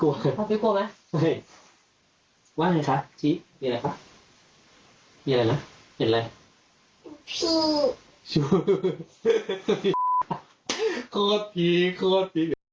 โรคภีครบ